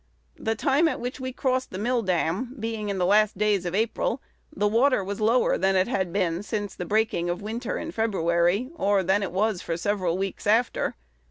The time at which we crossed the mill dam being in the last days of April, the water was lower than it had been since the breaking of winter in February, or than it was for several weeks after.